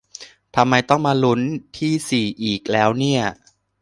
ทำไมต้องมาลุ้นที่สี่อีกแล้วเนี่ย